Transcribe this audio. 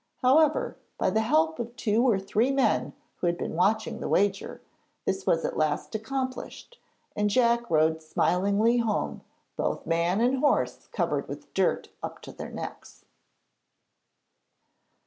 However, by the help of two or three men who had been watching the wager, this was at last accomplished, and Jack rode smilingly home, both man and horse covered with dirt up to their necks.